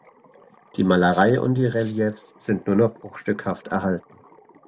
Die Malereien und die Reliefs sind nur noch bruchstückhaft erhalten.